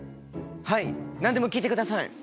はい何でも聞いてください！